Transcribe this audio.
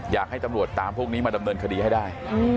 อยากให้ตำรวจตามพวกนี้มาดำเนินคดีให้ได้